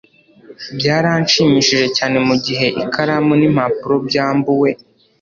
byaranshimishije cyane mugihe ikaramu n'impapuro byambuwe